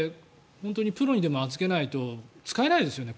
本当にプロにでも預けないと使えないですよね